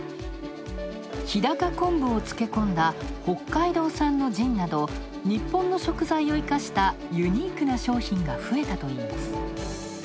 日高昆布を漬け込んだ北海道産のジンなど日本の食材を生かしたユニークな商品が増えたといいます。